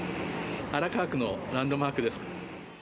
荒川区のランドマークです。